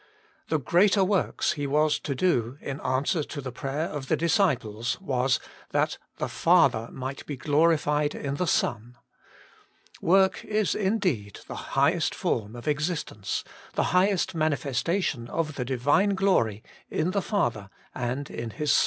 The greater works He was to do in answer to the prayer of the disciples was, that the Father might be glorified in the Son. Work is indeed the highest form of existence, the highest manifestation of the Divine glory in the Father and in His Son.